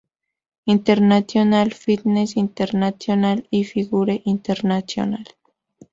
International, Fitness International, y Figure International.